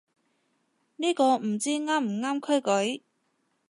呢個唔知啱唔啱規矩